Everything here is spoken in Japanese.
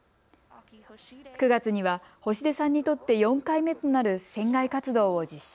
９月には星出さんにとって４回目となる船外活動を実施。